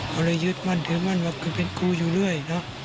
ก็เลยยืดมั่นถือมั่นว่าเป็นครูอยู่เรื่อย